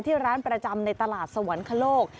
ที่ร้านประจำในตลาดสวรรคโลก